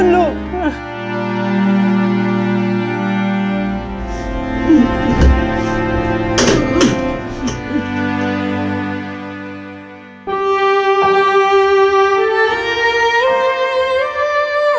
โรค